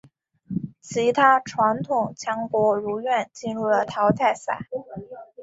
其他传统强国如愿进入了淘汰赛。